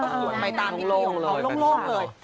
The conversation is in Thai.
สวดไปตามที่ประโยชน์โล่งเลย